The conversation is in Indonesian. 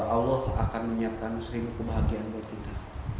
allah akan menyiapkan sering kebahagiaan buat kita